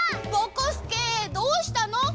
ぼこすけどうしたの？